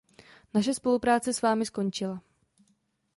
Naše spolupráce s vámi skončila!